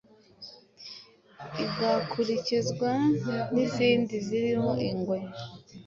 igakurikirwa n’izindi zirimo ingwe